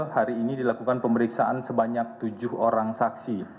hari ini dilakukan pemeriksaan sebanyak tujuh orang saksi